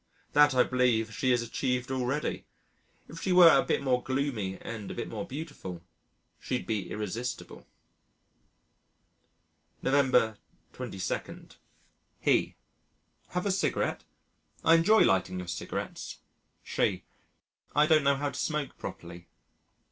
That I believe she has achieved already.... If she were a bit more gloomy and a bit more beautiful, she'd be irresistible. November 22. He: "Have a cigarette? I enjoy lighting your cigarettes." She: "I don't know how to smoke properly."